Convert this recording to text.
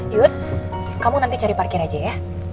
yut kamu nanti cari parkir aja ya